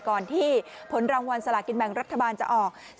ก่อนที่ผลรางวัลสลากินแบ่งรัฐบาลจะออก